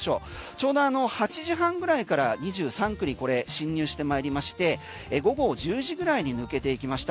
ちょうど８時半ぐらいから２３区に侵入してまいりまして午後１０時ぐらいに抜けていきました。